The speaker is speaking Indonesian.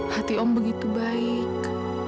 hati om begitu baik